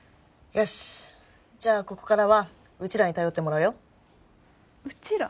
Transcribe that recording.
よしっじゃあここからはうちらに頼ってもらうようちら？